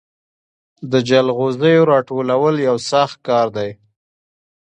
د جلغوزیو راټولول یو سخت کار دی.